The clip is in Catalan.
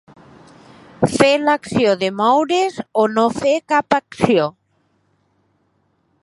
Fer l'acció de moure's o no fer cap acció.